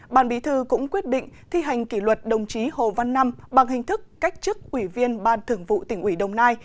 ban bí thư cũng quyết định thi hành kỷ luật đồng chí hồ văn năm bằng hình thức cách chức ủy viên ban thường vụ tỉnh ủy đồng nai